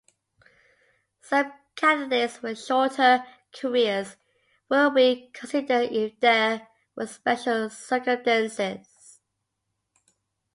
Some candidates with shorter careers will be considered if there were special circumstances.